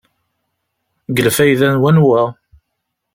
Deg lfayda n wanwa?